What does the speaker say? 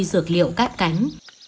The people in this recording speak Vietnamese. cây dược liệu cát cánh